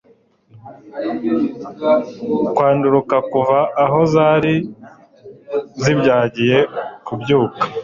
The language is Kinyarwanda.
kwanduruka kuva aho zari zibyagiye, kubyuka